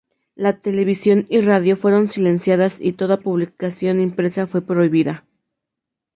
La Televisión y Radio fueron silenciadas y toda publicación impresa fue prohibida.